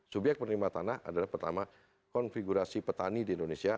subyek penerima tanah adalah pertama konfigurasi petani di indonesia